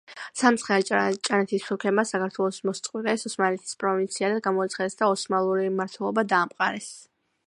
სამცხე, აჭარა, ჭანეთი თურქებმა საქართველოს მოსწყვიტეს, ოსმალეთის პროვინციად გამოაცხადეს და ოსმალური მმართველობა დაამყარეს.